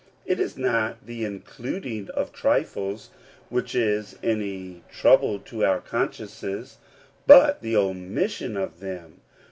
It is not the including of trifles which is any trouble to our consciences, but the omission of them.